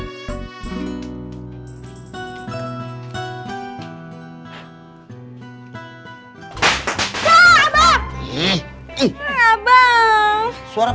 nah siapa yang mau kaget